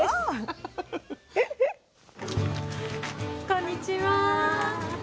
こんにちは！